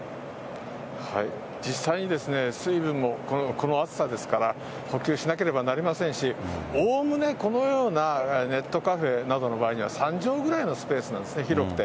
実際に水分も、この暑さですから、補給しなければなりませんし、おおむねこのようなネットカフェなどの場合には、３畳ぐらいのスペースなんですね、広くて。